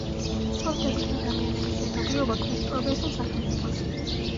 სწორედ ასეთი ადამიანების ერთობლიობა ქმნის პროგრესულ სახელმწიფოს.